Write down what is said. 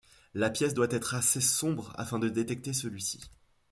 La pièce doit être assez sombre afin de détecter celui-ci.